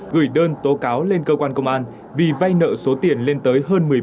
gửi đơn tố cáo lên cơ quan công an vì vay nợ số tiền lên tới hơn một mươi bốn tỷ